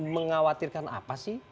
mengawatirkan apa sih